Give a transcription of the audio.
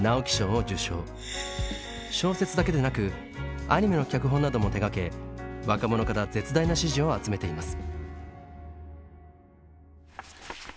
小説だけでなくアニメの脚本なども手がけ若者から絶大な支持を集めています。